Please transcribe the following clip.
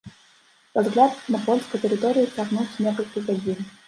Разгляд на польскай тэрыторыі цягнуўся некалькі гадзін.